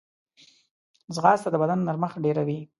ځغاسته د بدن نرمښت ډېروي